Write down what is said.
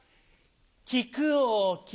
木久扇木